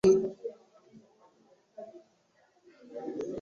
Kubera ko yumvaga arwaye, yagumye mu rugo avuye ku ishuri.